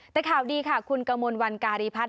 แต่ข่าวดีค่ะคุณกมลวันการีพัฒน